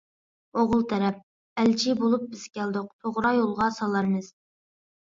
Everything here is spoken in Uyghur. ئوغۇل تەرەپ: ئەلچى بولۇپ بىز كەلدۇق، توغرا يولغا سالارمىز.